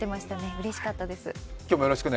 うれしかったです。